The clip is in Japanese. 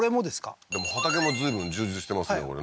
でも畑も随分充実してますよ